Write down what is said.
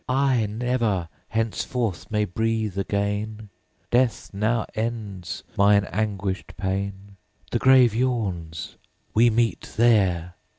'I never, henceforth, may breathe again; Death now ends mine anguished pain. The grave yawns, we meet there.'